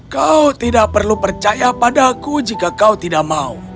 kau tidak perlu percaya padaku jika kau tidak mau